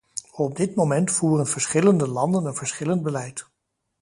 Op dit moment voeren verschillende landen een verschillend beleid.